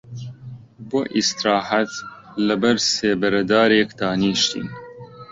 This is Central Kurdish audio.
بۆ ئیستراحەت لە بەر سێبەرە دارێک دانیشتین